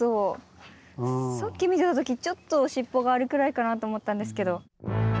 さっき見てた時ちょっと尻尾があるくらいかなと思ったんですけど。